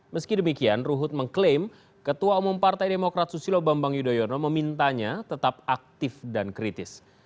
meski demikian ruhut mengklaim ketua umum partai demokrat susilo bambang yudhoyono memintanya tetap aktif dan kritis